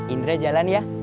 indra jalan ya